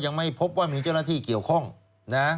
ยังไม่พบว่ามีเจ้าหน้าที่เกี่ยวข้องนะ